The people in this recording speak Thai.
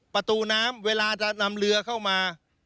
ประตูน้ำเวลาจะนำเรือเข้ามา